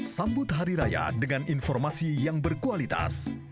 sambut hari raya dengan informasi yang berkualitas